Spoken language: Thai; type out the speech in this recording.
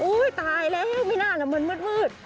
โอ้ยตายแหล่งไม่น่าหรอกมันมืด